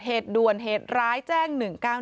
เหตุด่วนเหตุร้ายแจ้ง๑๙๑